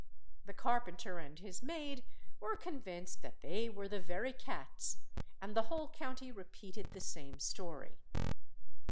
The carpenter and his maid were convinced that they were the very cats, and the whole county repeated the same story.